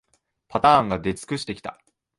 パターンが出尽くしてきた